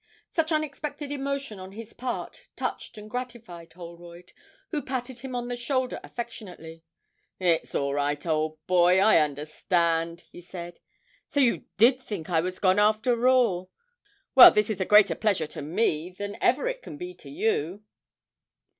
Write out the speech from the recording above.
Such unexpected emotion on his part touched and gratified Holroyd, who patted him on the shoulder affectionately. 'It's all right, old boy, I understand,' he said; 'so you did think I was gone after all? Well, this is a greater pleasure to me than ever it can be to you.'